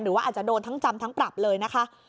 หรือว่าอาจจะโดนทั้งจำทั้งปรับเลยนะคะ